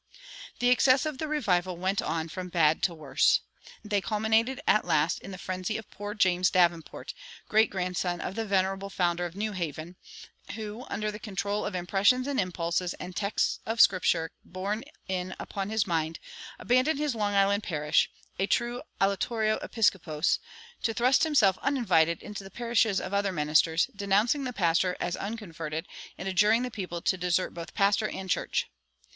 The excesses of the revival went on from bad to worse. They culminated, at last, in the frenzy of poor James Davenport, great grandson of the venerable founder of New Haven, who, under the control of "impressions" and "impulses" and texts of Scripture "borne in upon his mind," abandoned his Long Island parish, a true allotrio episcopos, to thrust himself uninvited into the parishes of other ministers, denouncing the pastor as "unconverted" and adjuring the people to desert both pastor and church.